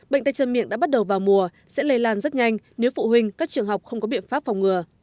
bệnh tay chân miệng đã bắt đầu vào mùa sẽ lây lan rất nhanh nếu phụ huynh các trường học không có biện pháp phòng ngừa